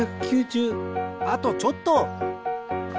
あとちょっと！